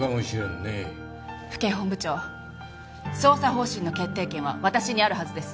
府警本部長捜査方針の決定権は私にあるはずです。